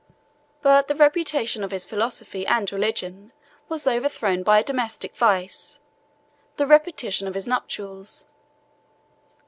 But the reputation of his philosophy and religion was overthrown by a domestic vice, the repetition of his nuptials.